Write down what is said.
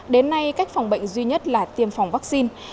đến nay cách phòng bệnh duy nhất là tiêm phòng vắc xin